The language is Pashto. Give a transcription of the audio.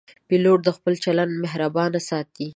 پیلوټ خپل چلند مهربان ساتي.